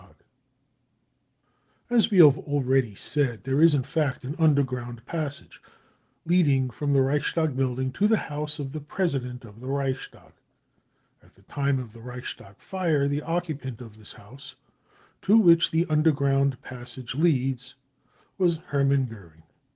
59 r 3 2 BROWN book of the hitler TERROR As we have already said, there is In fact an underground , passage leading from the Reichstag building to the house ot the President of the Reichstag. At the time" of the Reichs tag fire the occupant of this house to which the under ground passage leads was Hermann Goering.